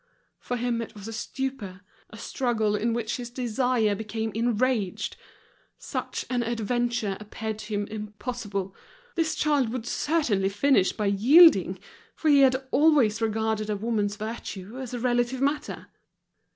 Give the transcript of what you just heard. For him it was a stupor, a struggle in which his desire became enraged. Such an adventure appeared to him impossible, this child would certainly finish by yielding, for he had always regarded a woman's virtue as a relative matter.